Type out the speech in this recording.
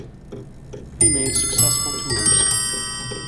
He made successful tours.